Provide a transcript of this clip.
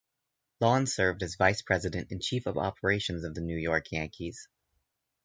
Lawn served as vice-president and chief of operations of the New York Yankees.